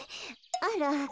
あら。